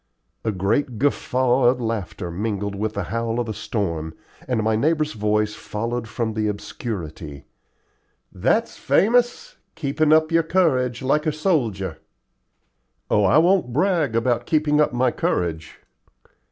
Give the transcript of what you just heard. A great guffaw of laughter mingled with the howl of the storm, and my neighbor's voice followed from the obscurity: "That's famous keepin' up your courage like a soldier." "Oh, I won't brag about keeping up my courage."